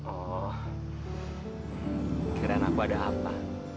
oh pikiran aku ada apa